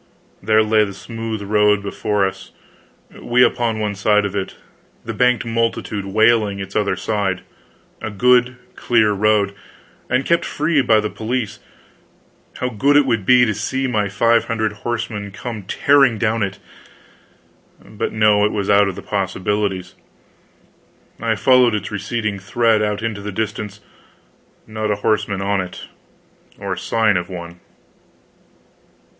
There lay the smooth road below us, we upon one side of it, the banked multitude wailing its other side a good clear road, and kept free by the police how good it would be to see my five hundred horsemen come tearing down it! But no, it was out of the possibilities. I followed its receding thread out into the distance not a horseman on it, or sign of one.